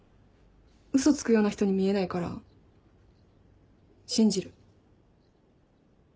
嘘つくような人に見えないから信じる。